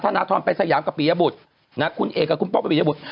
ทนาทรไปสายามกับปริยบุฏน่ะคุณเอกกับคุณป๊อกกับปริยบุฏ